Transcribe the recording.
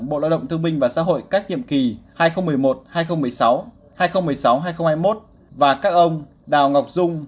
bộ lao động thương minh và xã hội các nhiệm kỳ hai nghìn một mươi một hai nghìn một mươi sáu hai nghìn một mươi sáu hai nghìn hai mươi một và các ông đào ngọc dung